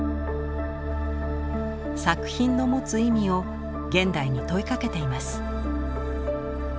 作品の持つ意味を現代に問いかけています。